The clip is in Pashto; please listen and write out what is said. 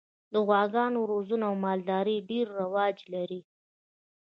د غواګانو روزنه او مالداري ډېر رواج لري.